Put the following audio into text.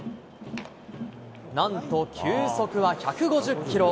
なんと球速は１５０キロ。